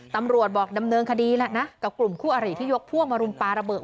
ตำรวจบอกดำเนินคดีแหละนะกับกลุ่มคู่อริที่ยกพวกมารุมปลาระเบิด